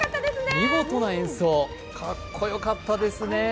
見事な演奏、かっこよかったですね。